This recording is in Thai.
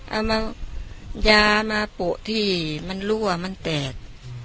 เอามายามาโปะที่มันรั่วมันแตก